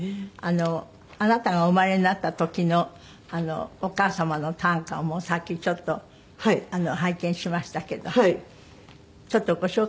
あなたがお生まれになった時のお母様の短歌もさっき拝見しましたけどちょっとご紹介していいですか？